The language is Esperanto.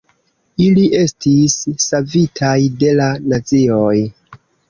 Ili estis savitaj de la nazioj.